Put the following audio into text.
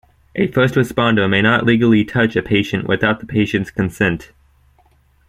A first responder may not legally touch a patient without the patient's consent.